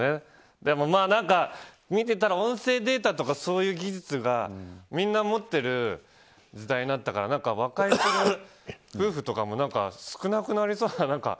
でも見てたら音声データとかそういう技術がいろんな持ってる時代になったから和解する夫婦とかも少なくなりそうな。